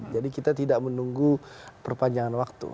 jadi kita tidak menunggu perpanjangan waktu